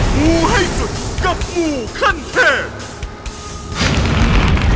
หมูให้สุดกับหมูคั่นแพง